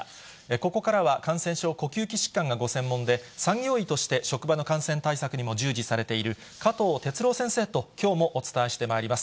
ここからは感染症、呼吸器疾患がご専門で、産業医として職場の感染対策にも従事されている、加藤哲朗先生ときょうもお伝えしてまいります。